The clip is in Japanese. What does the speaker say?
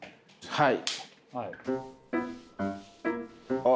はい。